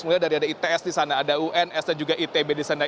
mulai dari ada its di sana ada uns dan juga itb di sana